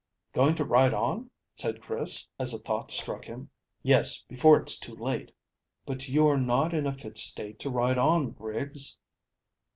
"Going to ride on?" said Chris, as a thought struck him. "Yes, before it's too late." "But you are not in a fit state to ride on, Griggs."